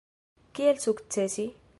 Kiel sukcesi?